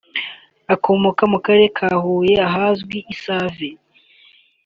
ukomoka mu karere ka Huye ahazwi i Save